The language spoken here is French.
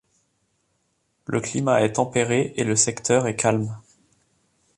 Le climat est tempéré et le secteur est calme.